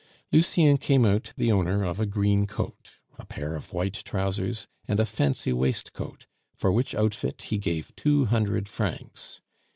Lucien came out the owner of a green coat, a pair of white trousers, and a "fancy waistcoat," for which outfit he gave two hundred francs.